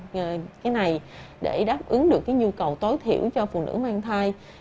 như thế này để đáp ứng được nhu cầu tối thiểu cho phụ nữ mang thai